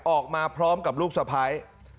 ออกมาพร้อมกับลูกสะพ้าย